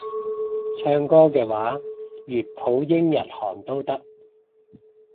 唱歌嘅話粵普英日韓都得